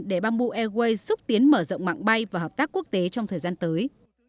để bamboo airways xúc tiến mở rộng mạng bay và hợp tác quốc tế trong thời gian tới